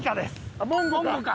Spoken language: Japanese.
あっモンゴウか。